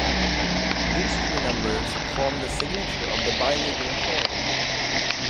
These three numbers form the "signature" of the bilinear form.